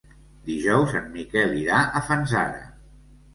Dijous en Miquel irà a Fanzara.